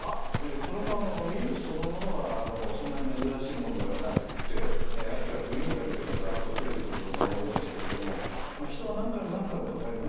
これもウイルスそのものはそんなに珍しいものではなくて秋から冬にかけてざっと増えてくることが多いんですけれども人は何回も何回もかかります。